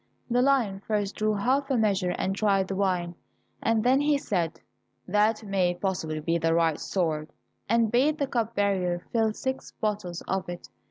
The lion first drew half a measure and tried the wine, and then he said, That may possibly be the right sort, and bade the cup bearer fill six bottles of it.